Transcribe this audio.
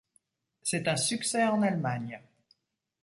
C'est un succès en Allemagne.